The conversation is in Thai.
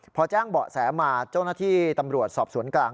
พอแจ้งเบาะแสมาเจ้าหน้าที่ตำรวจสอบสวนกลาง